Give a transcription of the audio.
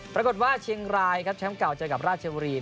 ปรากฏว่าเชียงรายครับแชมป์เก่าเจอกับราชบุรี